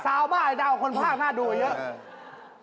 ซาวมากดังกว่าคนภาคน่าดูเยอะ